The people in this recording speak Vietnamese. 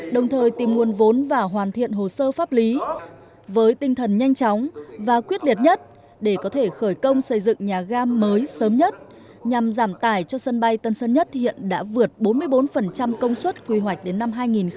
đồng thời tìm nguồn vốn và hoàn thiện hồ sơ pháp lý với tinh thần nhanh chóng và quyết liệt nhất để có thể khởi công xây dựng nhà ga mới sớm nhất nhằm giảm tải cho sân bay tân sơn nhất hiện đã vượt bốn mươi bốn công suất quy hoạch đến năm hai nghìn ba mươi